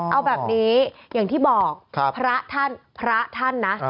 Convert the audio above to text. เอาแบบนี้อย่างที่บอกพระท่านพระท่านนะ